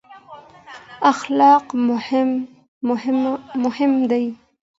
اخلاق مهم دي.